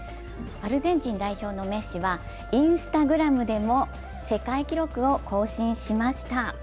アルゼンチン代表のメッシはＩｎｓｔａｇｒａｍでも世界記録を更新しました。